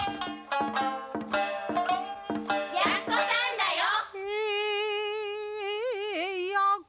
やっこさんだよ。